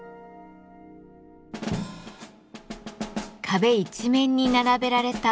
壁一面に並べられた